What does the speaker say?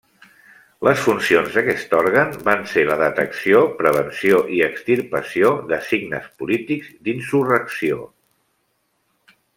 Les funcions d'aquest òrgan van ser la detecció, prevenció i extirpació de signes polítics d'insurrecció.